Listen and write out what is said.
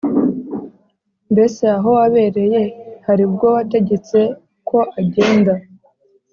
Mbese aho wabereye hari ubwo wategetse ko agenda